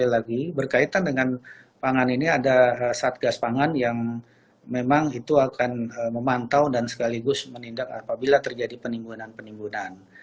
sekali lagi berkaitan dengan pangan ini ada satgas pangan yang memang itu akan memantau dan sekaligus menindak apabila terjadi penimbunan penimbunan